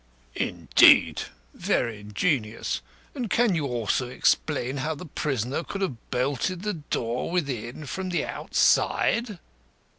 "Indeed. Very ingenious. And can you also explain how the prisoner could have bolted the door within from the outside?"